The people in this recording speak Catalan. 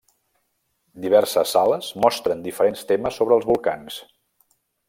Diverses sales mostren diferents temes sobre els volcans.